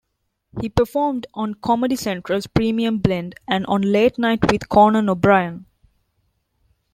He performed on Comedy Central's "Premium Blend" and on "Late Night with Conan O'Brien".